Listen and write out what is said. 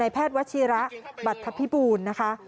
นายแพทย์วัชยฤบัตรทัพพิปูนนะคะ